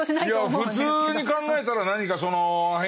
いや普通に考えたら何かそのアヘン